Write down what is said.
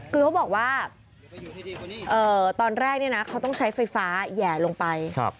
คือเขาบอกว่าตอนแรกเขาต้องใช้ไฟฟ้าแห่ลงไป